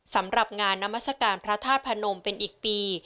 สำหรับงานนามัศกาลพระธาตุพนมเป็นอีกปี